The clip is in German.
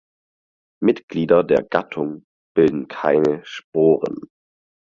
Mitglieder der Gattung bilden keine Sporen.